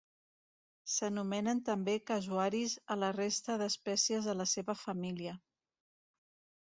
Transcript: S'anomenen també casuaris a la resta d'espècies de la seva família.